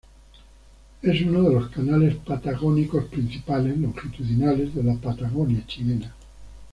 Es uno de los canales patagónicos principales, longitudinales, de la Patagonia chilena.